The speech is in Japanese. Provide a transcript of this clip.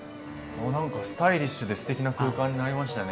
なんかスタイリッシュですてきな空間になりましたね。